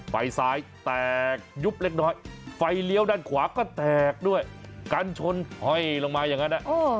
ไฟซ้ายแตกยุบเล็กน้อยไฟเลี้ยวด้านขวาก็แตกด้วยกันชนห้อยลงมาอย่างนั้น